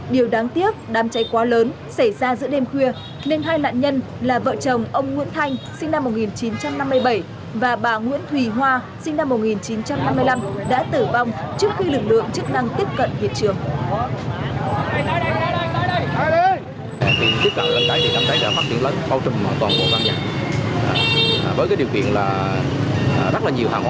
điều đáng tiếc đám cháy quá lớn xảy ra giữa đêm khuya nên hai nạn nhân là vợ chồng ông nguyễn thanh sinh năm một nghìn chín trăm năm mươi bảy và bà nguyễn thùy hoa sinh năm một nghìn chín trăm năm mươi năm đã tử vong trước khi lực lượng chức năng tiếp cận hiện trường